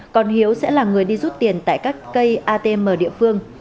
còn hiếu sẽ là người đi rút tiền tại các cây atm địa phương